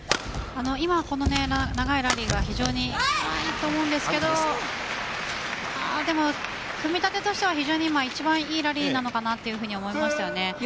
今は長いラリーが非常によかったと思うんですけどでも、組み立てとしては非常に一番いいラリーなのかなと思いますよね。